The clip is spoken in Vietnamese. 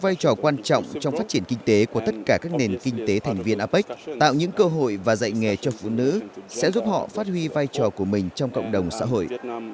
vai trò quan trọng trong phát triển kinh tế của tất cả các nền kinh tế thành viên apec tạo những cơ hội và dạy nghề cho phụ nữ sẽ giúp họ phát huy vai trò của mình trong cộng đồng xã hội